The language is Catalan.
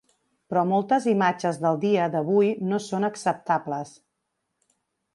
Però moltes imatges del dia d’avui no són acceptables.